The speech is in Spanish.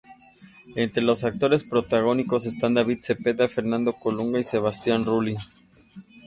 Entre los actores protagónicos están David Zepeda, Fernando Colunga y Sebastián Rulli.